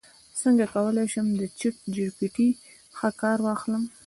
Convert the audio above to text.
څنګه کولی شم د چیټ جی پي ټي ښه کار واخلم